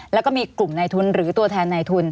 แล้วก็มีกลุ่มในทุนหรือตัวแทนในทุน